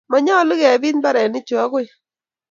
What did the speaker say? Manyalu kebit mbarenichuu agoi